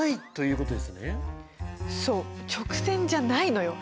そう直線じゃないのよ。